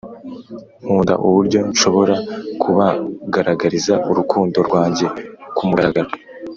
nkunda uburyo nshobora kubagaragariza urukundo rwanjye kumugaragaro